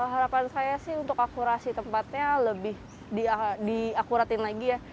harapan saya sih untuk akurasi tempatnya lebih diakuratin lagi ya